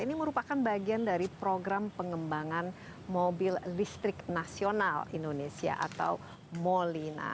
ini merupakan bagian dari program pengembangan mobil listrik nasional indonesia atau molina